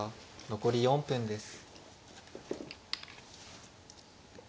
残り４分です。